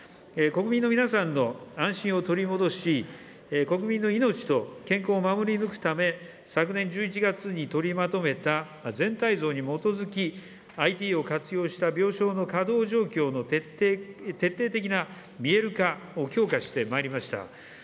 国民の皆さんの安心を取り戻し、国民の命と健康を守り抜くため、昨年１１月に取りまとめた全体像に基づき、ＩＴを活用した病床の稼働状況の徹底的な見える化を強化してまいりました。